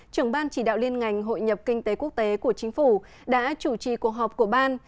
trưởng ban chỉ đạo liên ngành hội nhập kinh tế quốc tế của chính phủ đã chủ trì cuộc họp của ban